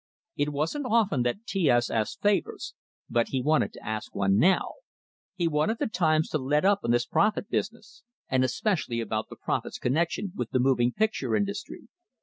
It wasn't often that T S asked favors, but he wanted to ask one now; he wanted the "Times" to let up on this prophet business, and especially about the prophet's connection with the moving picture industry.